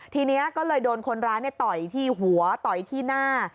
ทีนี้ก็เลยโดนคนร้ายต่อยที่หัวต่อยที่หน้า